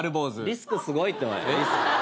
リスクすごいっておい。